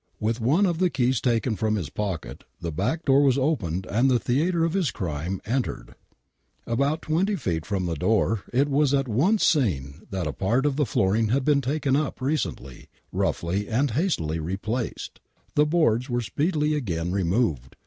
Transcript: With one of the keys taken from his pocket the back door was opened and the theatre of this crime entered. 8 WAINWRIGHT MURDER m. m At about twenty feet from the door it was at once seen that a part of the flooring had been takeij up and recently,, roughly and hastily replaced. The boards were speedily again removed.